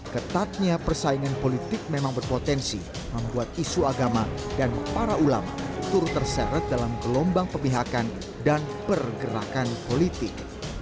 ketatnya persaingan politik memang berpotensi membuat isu agama dan para ulama turut terseret dalam gelombang pemihakan dan pergerakan politik